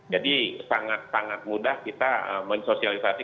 jadi sangat sangat mudah kita mensosialisasi